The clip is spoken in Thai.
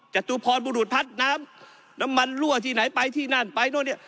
จตุพรบุรุษพัฒน์น้ำน้ำมันรั่วที่ไหนไปที่นั่นไปนู่นเนี่ย